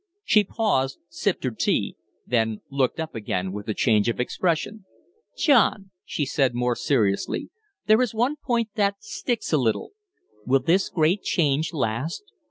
She paused, sipped her tea, then looked up again with a change of expression. "John," she said, more seriously, "there is one point that sticks a little. Will this great change last?"